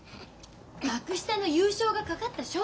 幕下の優勝がかかった勝負。